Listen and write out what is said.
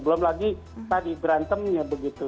belum lagi tadi berantemnya begitu